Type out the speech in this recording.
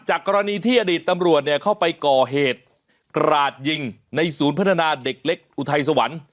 กรณีที่อดีตตำรวจเข้าไปก่อเหตุกราดยิงในศูนย์พัฒนาเด็กเล็กอุทัยสวรรค์